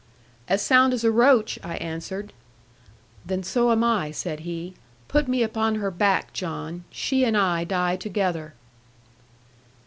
'As sound as a roach,' I answered. 'Then so am I,' said he: 'put me upon her back, John; she and I die together.'